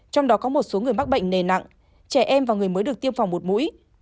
trong đó có một số người mắc bệnh nề nặng trẻ em và người mới được tiêm phòng một mũi